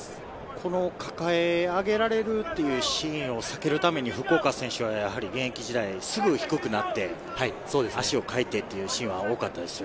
この抱え上げられるというシーンを避けるために、福岡選手は現役時代すぐ低くなって足を替えてというシーンが多かったですよ